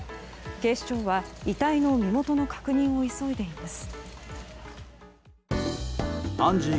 警視庁は、遺体の身元の確認を急いでいます。